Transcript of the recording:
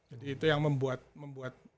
jadi itu yang membuat